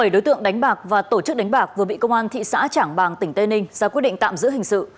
bảy đối tượng đánh bạc và tổ chức đánh bạc vừa bị công an thị xã trảng bàng tỉnh tây ninh ra quyết định tạm giữ hình sự